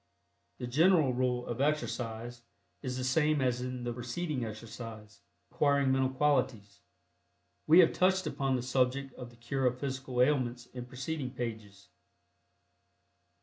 The general rule of exercise is the same as in the preceding exercise (acquiring Mental Qualities). We have touched upon the subject of the cure of physical ailments in preceding pages.